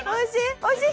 おいしい？